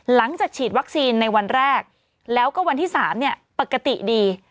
หลังจากฉีดวัคซีนในวันแรกแล้วก็วันที่๓ปกติดี